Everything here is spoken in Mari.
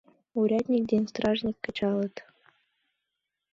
Урядник ден стражник кычалыт.